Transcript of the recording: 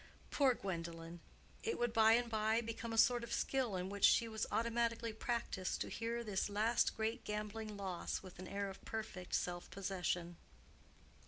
Poor Gwendolen! It would by and by become a sort of skill in which she was automatically practiced to bear this last great gambling loss with an air of perfect self possession.